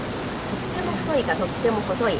とっても太いかとっても細い。